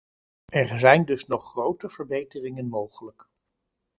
Er zijn dus nog grote verbeteringen mogelijk.